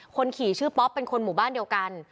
คนขี่ชื่อป๊อปเป็นคนหมู่บ้านเดียวกัน